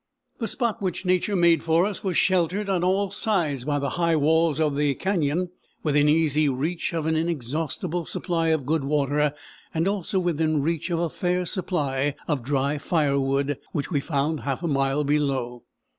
The spot which nature made for us was sheltered on all sides by the high walls of the cañon, within easy reach of an inexhaustible supply of good water, and also within reach of a fair supply of dry fire wood, which we found half a mile below.